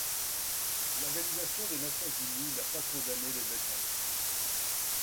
L’Organisation des Nations unies n’a pas condamné l’événement.